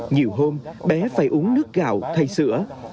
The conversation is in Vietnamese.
nhiều hôm bé phải uống nước gạo thay sữa